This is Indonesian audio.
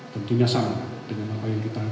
tentunya sama dengan apa yang kita